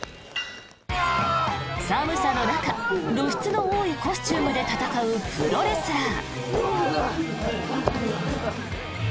寒さの中露出の多いコスチュームで戦うプロレスラー。